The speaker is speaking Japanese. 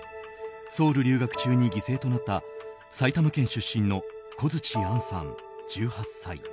ソウル留学中に犠牲となった埼玉県出身の小槌杏さん、１８歳。